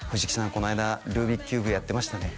こないだルービックキューブやってましたね